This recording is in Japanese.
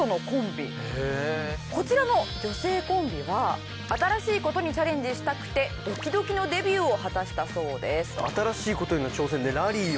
こちらの女性コンビは新しい事にチャレンジしたくてドキドキのデビューを果たしたそうです。